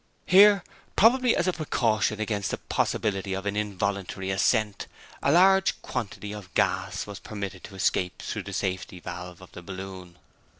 Here, probably as a precaution against the possibility of an involuntary ascent, a large quantity of gas was permitted to escape through the safety valve of the balloon.